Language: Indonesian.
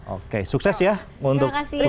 oke sukses ya untuk